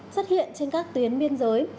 xuất hiện trên các tuyến biên giới